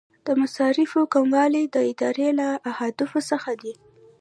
د مصارفو کموالی د ادارې له اهدافو څخه دی.